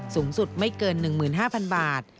สูงสุดไม่เกิน๑๕๐๐๐บาท